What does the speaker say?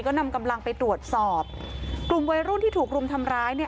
ก็นำกำลังไปตรวจสอบกลุ่มวัยรุ่นที่ถูกรุมทำร้ายเนี่ย